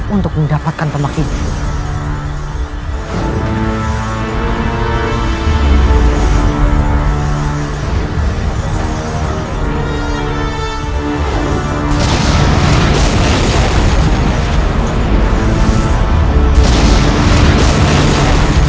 untuk mendapatkan pemakian ini